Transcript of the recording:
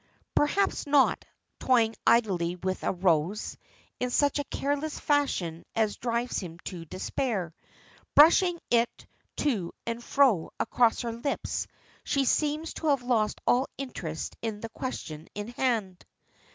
"Perhaps not," toying idly with a rose, in such a careless fashion as drives him to despair. Brushing it to and fro across her lips she seems to have lost all interest in the question in hand.